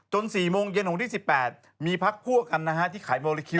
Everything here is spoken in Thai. จน๔โมงเย็นของที่๑๘มีพักคั่วกันนะฮะที่ขายโมเล็กคิ้ว